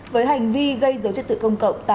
với hành vi gây dấu chất tự công cộng